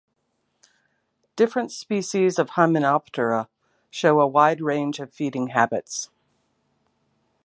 Different species of Hymenoptera show a wide range of feeding habits.